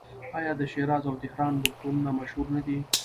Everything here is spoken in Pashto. آیا د شیراز او تهران روغتونونه مشهور نه دي؟